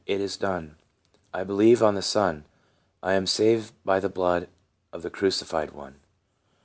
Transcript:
't is done ! I believe on the Son ; I am saved by the blood Of the Crucified One."